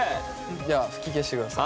では吹き消してください。